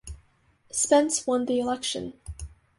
Spence won the election.